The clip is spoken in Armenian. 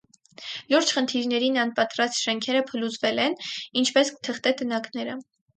Լուրջ խնդիրներին անպատրաստ շենքերը փլուզվել են, ինչպես թղթե տնակները։